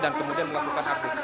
dan kemudian melakukan aksi